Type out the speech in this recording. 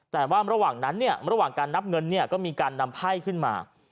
แต่ว่าระหว่างนั้นเนี่ยระหว่างการนับเงินเนี่ยก็มีการนำไพ่ขึ้นมา